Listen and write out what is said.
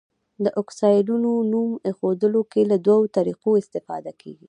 د اکسایډونو نوم ایښودلو کې له دوه طریقو استفاده کیږي.